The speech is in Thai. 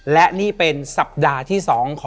และนี่เป็นสัปดาห์ที่๒ของ